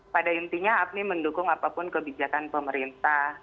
pada intinya apni mendukung apapun kebijakan pemerintah